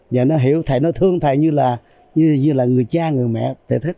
và nó hiểu thầy nó thương thầy như là người cha người mẹ